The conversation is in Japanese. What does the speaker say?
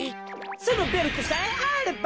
そのベルトさえあれば。